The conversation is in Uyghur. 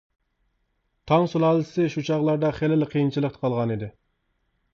تاڭ سۇلالىسى شۇ چاغلاردا خېلىلا قىيىنچىلىقتا قالغانىدى.